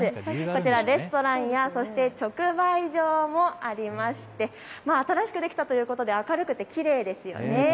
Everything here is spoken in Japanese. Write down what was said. こちら、レストランや直売所もありまして新しくできたということで明るくてきれいですよね。